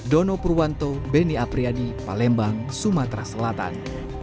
dono purwanto beni apriyadi palembang sumatera selatan